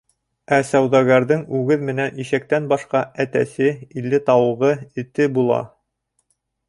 Ә сауҙагәрҙең үгеҙ менән ишәктән башҡа әтәсе, илле тауығы, эте була.